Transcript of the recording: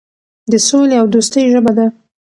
د سولې او دوستۍ ژبه ده.